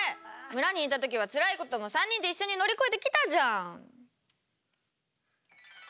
村にいた時はつらいことも３人で一緒に乗り越えてきたじゃん！